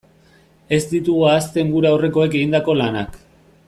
Ez ditugu ahazten gure aurrekoek egindako lanak.